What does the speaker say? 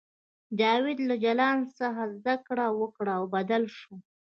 جاوید له جلان څخه زده کړه وکړه او بدل شو